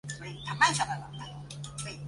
古托尔弗尔代。